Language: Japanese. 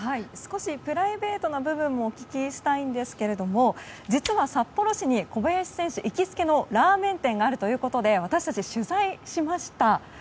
少しプライベートな部分もお聞きしたいんですが実は札幌市に小林選手行きつけのラーメン店があるということで私たち取材しました。